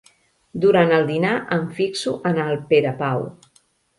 Durant el dinar em fixo en el Perepau.